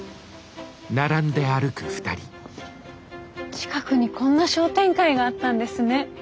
近くにこんな商店街があったんですね。